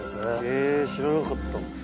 へぇ知らなかった。